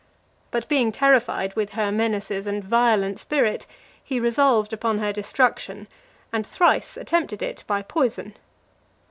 But being terrified with her menaces and violent spirit, he resolved upon her destruction, and thrice attempted it by poison.